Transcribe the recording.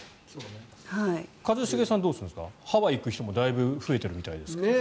一茂さんどうするんですかハワイ行く人もだいぶ増えているみたいですけど。